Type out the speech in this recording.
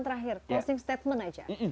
akhir akhir closing statement aja